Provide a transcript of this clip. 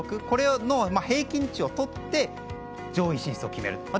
これの平均値をとって上位進出を決める。